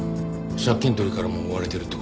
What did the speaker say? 借金取りからも追われてるって事ですね。